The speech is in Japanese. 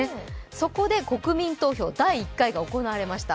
そこで国民投票第１回目が行われました。